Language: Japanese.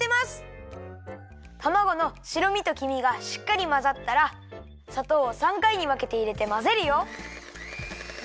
たまごのしろみときみがしっかりまざったらさとうを３かいにわけていれてまぜるよ。